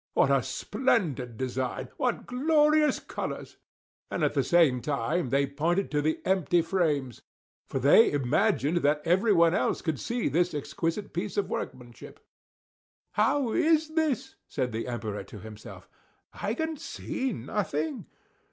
What a splendid design! What glorious colors!" and at the same time they pointed to the empty frames; for they imagined that everyone else could see this exquisite piece of workmanship. "How is this?" said the Emperor to himself. "I can see nothing!